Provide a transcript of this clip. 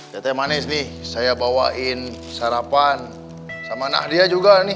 lihat yang manis nih saya bawain sarapan sama nadia juga nih